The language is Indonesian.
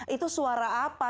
itu suara apa